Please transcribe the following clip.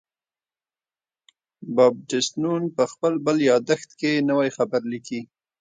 بابټیست نون په خپل بل یادښت کې نوی خبر لیکي.